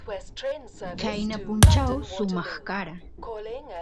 qayna punchaw sumaq kara